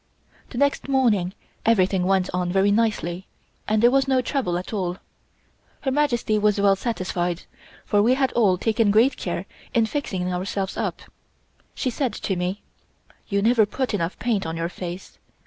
The next morning everything went on very nicely and there was no trouble at all. Her Majesty was well satisfied, for we had all taken great care in fixing ourselves up. She said to me: "You never put enough paint on your face.